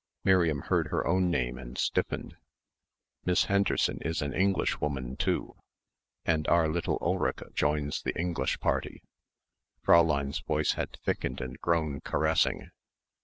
Miriam heard her own name and stiffened. "Miss Henderson is an Englishwoman too and our little Ulrica joins the English party." Fräulein's voice had thickened and grown caressing.